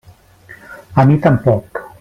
A mi tampoc.